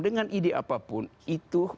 dengan ide apapun itu